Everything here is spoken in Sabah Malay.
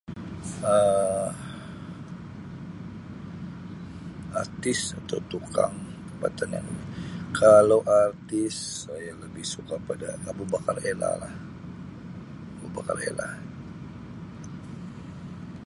Um Artis atau tukang tempatan yang kalau artis saya lebih suka pada Abu Bakar Ella lah Abu Bakar Ella.